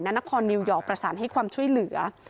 นครนิวยอร์กประสานให้ความช่วยเหลือ